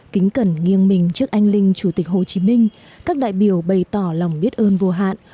kính cẩn nghiêng mình trước anh linh chủ tịch hồ chí minh các đại biểu bày tỏ lòng biết ơn vô hạn